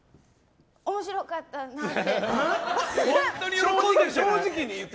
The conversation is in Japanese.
面白かったなって。